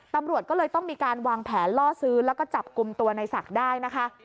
ตำรวจก็เลยต้องมีการวางแผนล่อซื้อแล้วก็จับกลุ่มตัวในศักดิ์ได้นะคะ